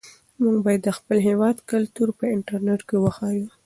موږ باید د خپل هېواد کلتور په انټرنيټ کې وښیو.